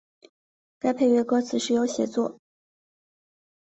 该配乐歌词是由写作。